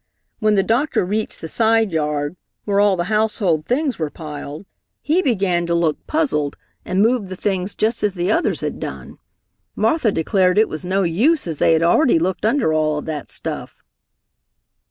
When the doctor reached the side yard, where all the household things were piled, he began to look puzzled and moved the things just as the others had done. Martha declared it was no use as they had already looked under all of that stuff.